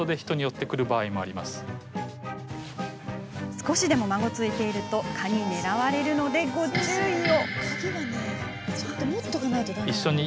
少しでも、まごついていると蚊は寄ってくるので、ご注意を。